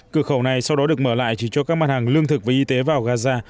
cửa khẩu này sau đó được mở lại chỉ cho các mặt hàng lương thực và y tế vào gaza